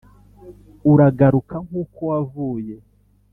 uragaruka nkuko wavuye.